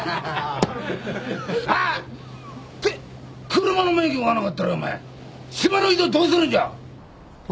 車の免許がなかったらお前島の移動どうするんじゃ？